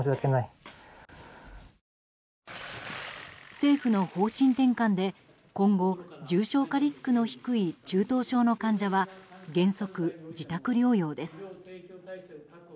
政府の方針転換で今後、重症化リスクの低い中等症の患者は原則、自宅療養です。